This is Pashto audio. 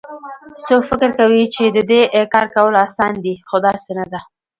څوک فکر کوي چې د دې کار کول اسان دي خو داسي نه ده